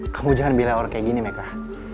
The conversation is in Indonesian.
kamu jangan bilang orang kayak gini mereka